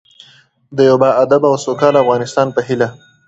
د یو باادبه او سوکاله افغانستان په هیله.